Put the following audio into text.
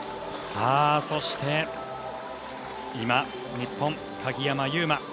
そして今、日本の鍵山優真